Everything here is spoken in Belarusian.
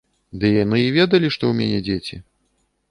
Ды яны і ведалі, што ў мяне дзеці.